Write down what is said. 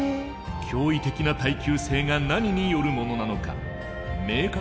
驚異的な耐久性が何によるものなのか明確には分からなかった。